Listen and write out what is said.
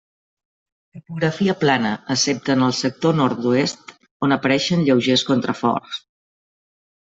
Topografia plana excepte en el sector nord-oest, on apareixen lleugers contraforts.